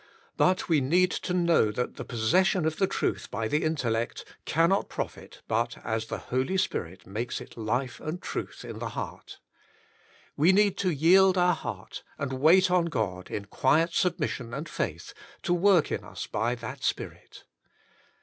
But we need to know that the possession of the truth by the intellect cannot profit but as the Holy Spirit makes it life and truth in the heart. We need to yield our heart, and wait on God in quiet submission and faith to work in us by that Spirit.